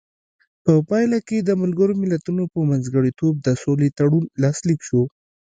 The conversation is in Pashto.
په پایله کې د ملګرو ملتونو په منځګړیتوب د سولې تړون لاسلیک شو.